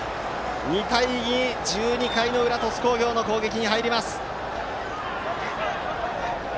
２対２、１２回の裏鳥栖工業の攻撃に入ります。